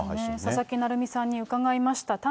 佐々木成三さんに伺いました。